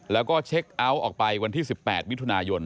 แล้วก็เช็คเอาท์ออกไปวันที่๑๘มิถุนายน